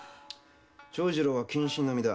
長次郎は謹慎の身だ。